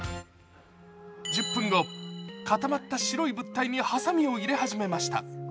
１０分後、固まった白い物体にはさみを入れ始めました。